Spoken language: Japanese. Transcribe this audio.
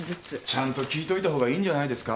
ちゃんと聞いといたほうがいいんじゃないですか？